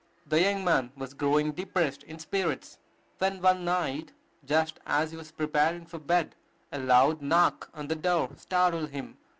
The young man was growing depressed in spirits, when one night, just as he was preparing for bed, a loud knock on the door startled him.